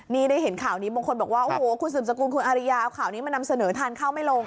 นี่ได้เห็นข่าวนี้บางคนบอกว่าโอ้โหคุณสืบสกุลคุณอาริยาเอาข่าวนี้มานำเสนอทานข้าวไม่ลง